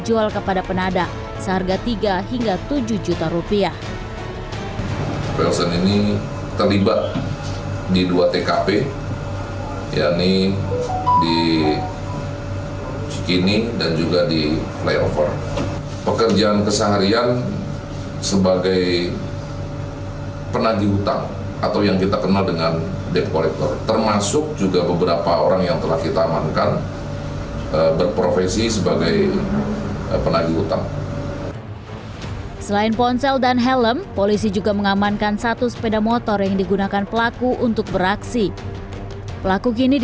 jangan lupa like share dan subscribe channel ini